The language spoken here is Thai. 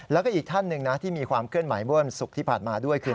แล้วก็อีกท่านหนึ่งนะที่มีความเคลื่อนไหวเมื่อวันศุกร์ที่ผ่านมาด้วยคือ